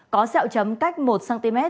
có xeo chấm cách một cm